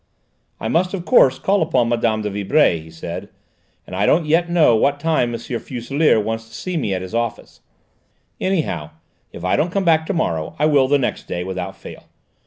"I must, of course, call upon Mme. de Vibray," he said, "and I don't yet know what time M. Fuselier wants to see me at his office. Anyhow, if I don't come back to morrow, I will the next day, without fail.